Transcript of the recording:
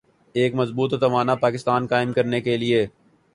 ایک مضبوط و توانا پاکستان قائم کرنے کے لئیے ۔